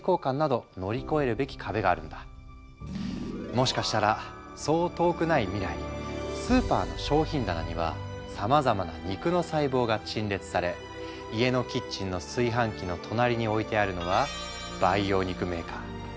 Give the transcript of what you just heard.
もしかしたらそう遠くない未来スーパーの商品棚にはさまざまな肉の細胞が陳列され家のキッチンの炊飯器の隣に置いてあるのは培養肉メーカー。